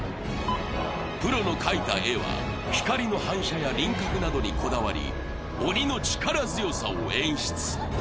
プロの描いた絵は光の反射や輪郭にこだわり鬼の力強さを演出。